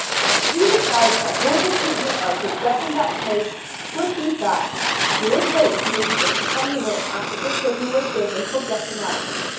He replied that all the treatment I should get in that case, would be that he would wait for me just ten minutes after the signal was given for getting up.